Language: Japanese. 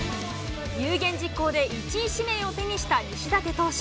有言実行で１位指名を手にした西舘投手。